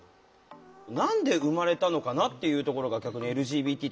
何で生まれたのかなっていうところが逆にＬＧＢＴって言葉が。